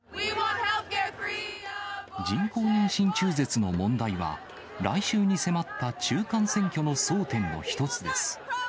人工妊娠中絶の問題は、来週に迫った中間選挙の争点の一つです。